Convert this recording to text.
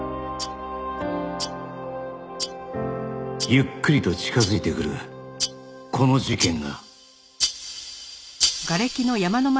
「ゆっくりと近づいてくるこの事件が」